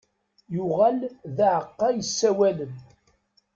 Yuɣal d aεeqqa yessawalen.